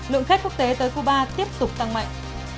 lượng khách quốc tế tới cuba tiếp tục tăng mạnh